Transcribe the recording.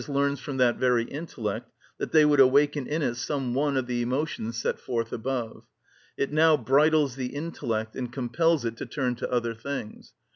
_, learns from that very intellect, that they would awaken in it some one of the emotions set forth above. It now bridles the intellect, and compels it to turn to other things.